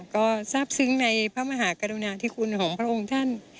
ก็ทราบซึ้งในพระมหากรุณาธิคุณของพระองค์ท่าน